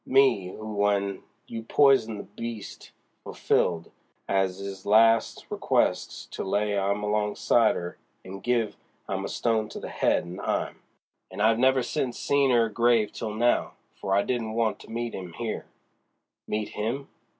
—me who w'en you poisoned the beast fulfilled 'is last request to lay 'im alongside 'er and give 'im a stone to the head of 'im! And I've never since seen 'er grave till now, for I didn't want to meet 'im here." "Meet him?